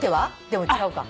でも違うか。